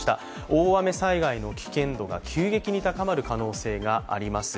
大雨災害の危険度が急激に高まる可能性があります。